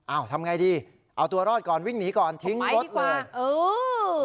ทำไงดีเอาตัวรอดก่อนวิ่งหนีก่อนทิ้งรถเลยเออ